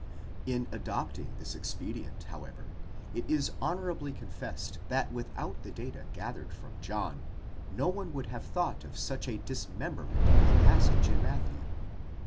In adopting this expedient, however, it is honourably confessed that without the data gathered from John, no one would have thought of such a dismemberment of the passage in Matthew.!